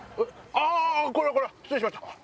これはこれは失礼しました。